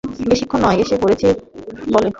বেশিক্ষণ নয়, এসে পড়েছি বলে।